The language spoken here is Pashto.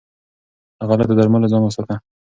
له غلطو درملنو ځان وساته.